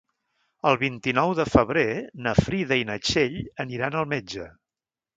El vint-i-nou de febrer na Frida i na Txell aniran al metge.